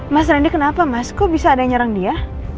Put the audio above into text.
mas randy kenapa mas kok bisa ada nyerang dia